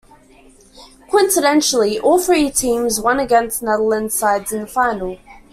Coincidentally, all three teams won against Netherlands sides in the final.